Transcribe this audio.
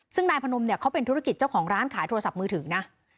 ซึ่งนายพนมเนี่ยเขาเป็นธุรกิจเจ้าของร้านขายโทรศัพท์มือถือนะ